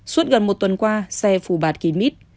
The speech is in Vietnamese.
suốt gần một tuần qua xe phủ bạt kín mít